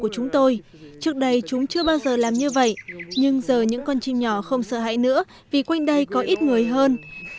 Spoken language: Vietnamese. trước đây chúng chưa bao giờ làm như vậy nhưng giờ những con chim nhỏ không sợ hãi nữa vì quanh đây có ít người hơn